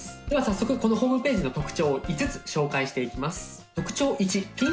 では早速このホームページの特徴を５つ紹介していきます。